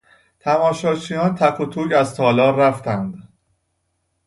تماشاچیان تک و توک از تالار رفتند.